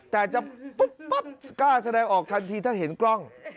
แต่จะปุ๊บกล้าแสดงออกทันทีถ้าเห็นกล้อง